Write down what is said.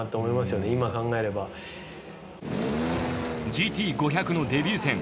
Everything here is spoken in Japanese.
ＧＴ５００のデビュー戦